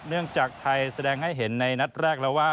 จากไทยแสดงให้เห็นในนัดแรกแล้วว่า